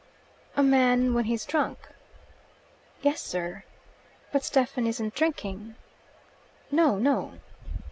"A man when he's drunk?" "Yes, Sir." "But Stephen isn't drinking?" "No, no."